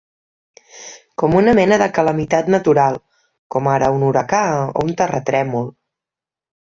...com una mena de calamitat natural, com ara un huracà o un terratrèmol